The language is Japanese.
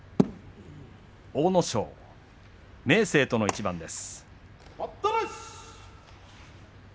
阿武咲、明生との一番です。